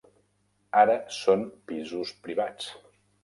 Ara són pisos privats.